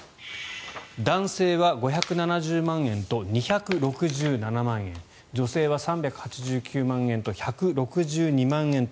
男性は５７０万円と２６７万円女性は３８９万円と１６２万円と。